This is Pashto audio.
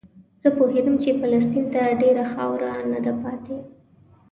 زه پوهېدم چې فلسطین ته ډېره خاوره نه ده پاتې.